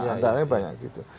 antara lain banyak gitu